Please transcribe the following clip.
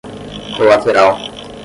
colateral